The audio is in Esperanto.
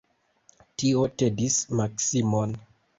Tio tedis Maksimon.